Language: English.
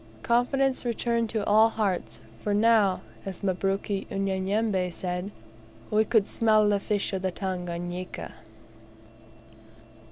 Confidence returned to all hearts for now, as Mabruk Unyanyembe said, "we could smell the fish of the Tanganika."